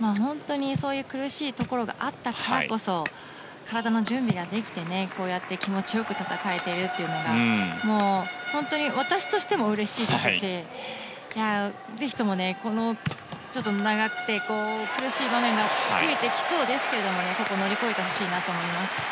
本当にそういう苦しいところがあったからこそ体の準備ができて、こうやって気持ち良く戦えているというのが本当に私としてもうれしいですしぜひとも、苦しい場面が増えてきそうですがここを乗り越えてほしいなと思います。